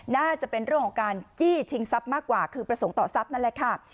น่าจะเป็นเรื่องของการจี้ชิงทรัพย์มากกว่าคือประสงค์ต่อทรัพย์นั่นแหละค่ะ